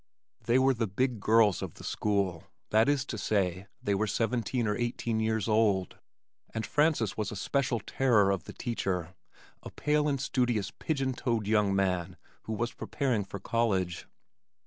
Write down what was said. They were "the big girls" of the school, that is to say, they were seventeen or eighteen years old, and Frances was the special terror of the teacher, a pale and studious pigeon toed young man who was preparing for college.